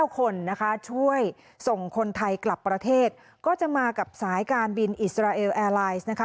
๙คนนะคะช่วยส่งคนไทยกลับประเทศก็จะมากับสายการบินอิสราเอลแอร์ไลน์นะคะ